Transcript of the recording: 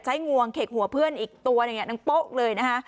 งวงเข็กหัวเพื่อนอีกตัวหนึ่งนางโป๊ะเลยนะคะ